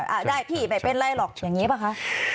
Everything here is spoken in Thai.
อ่ะได้พี่ไม่เป็นไรหรอกอย่างนี้ป่ะคะ